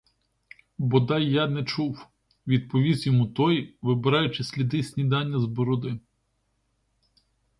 Бодай я не чув, — відповість йому той, вибираючи сліди снідання з бороди.